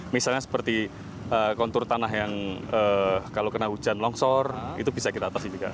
misalnya seperti kontur tanah yang kalau kena hujan longsor itu bisa kita atasi juga